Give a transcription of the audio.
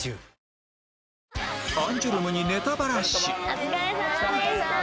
お疲れさまでした。